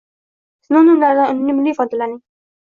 Sinonimlardan unumli foydalaning